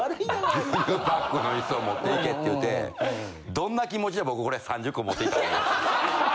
牛乳パックのイスを持っていけって言うてどんな気持ちで僕これ３０個持っていったと思います？